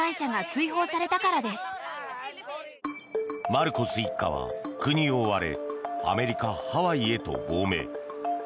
マルコス一家は国を追われアメリカ・ハワイへと亡命。